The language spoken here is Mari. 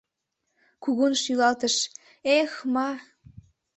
Кугун шӱлалтыш: — Эх-ма!